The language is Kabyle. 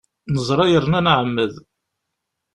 Neẓra yerna nɛemmed!